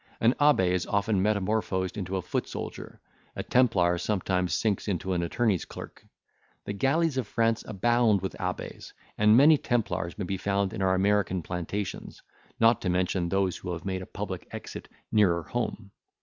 An abbe is often metamorphosed into a foot soldier; a templar sometimes sinks into an attorney's clerk. The galleys of France abound with abbes; and many templars may be found in our American plantations; not to mention those who have made a public exit nearer home.